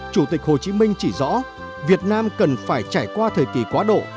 chủ tịch hồ chí minh chỉ rõ việt nam cần phải trải qua thời kỳ quá độ